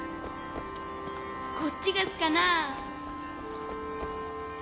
こっちがすかな？